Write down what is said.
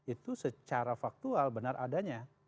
itu secara faktual benar adanya